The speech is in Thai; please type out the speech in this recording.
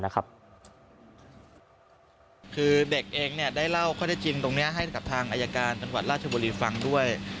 คือเด็กเองได้เล่าข้อได้จริงตรงนี้ให้กับทางอายการจังหวัดราชบุรีฟังด้วย